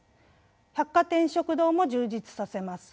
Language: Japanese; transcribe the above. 百貨店食堂も充実させます。